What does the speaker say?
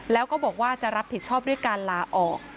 แล้วก็บอกว่าจะรับผิดชอบด้วยการลาออก